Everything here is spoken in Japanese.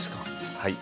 はい。